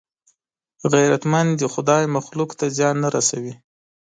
غیرتمند د خدای مخلوق ته زیان نه رسوي